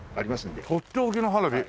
とっておきの花火？